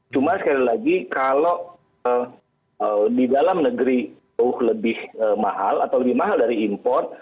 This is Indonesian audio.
cuma sekali lagi kalau di dalam negeri jauh lebih mahal atau lebih mahal dari import